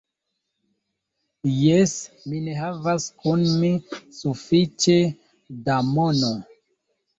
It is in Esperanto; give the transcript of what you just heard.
Jes; mi ne havas kun mi sufiĉe da mono.